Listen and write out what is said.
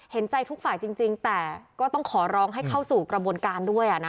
เห็นใจทุกฝ่ายจริงแต่ก็ต้องขอร้องให้เข้าสู่กระบวนการด้วยนะ